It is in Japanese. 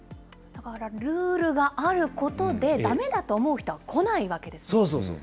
だからルールがあることで、だめだと思う人は来ないわけですね。